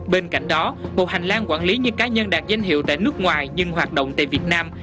bên cạnh đó một hành lang quản lý như cá nhân đạt danh hiệu tại nước ngoài nhưng hoạt động tại việt nam